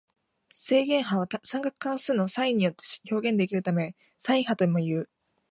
正弦波は三角関数のサインによって表現できるためサイン波ともいう。